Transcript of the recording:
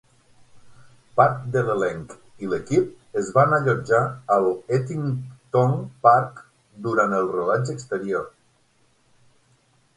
Part de l'elenc i l'equip es van allotjar a l'Ettington Park durant el rodatge exterior.